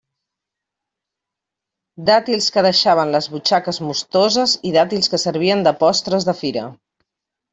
Dàtils que deixaven les butxaques mostoses i dàtils que servien de postres de fira.